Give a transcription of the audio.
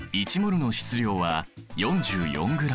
１ｍｏｌの質量は４４ｇ。